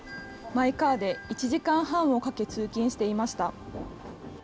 マイカーで１時間半をかけ通勤していました。